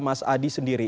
mas adi sendiri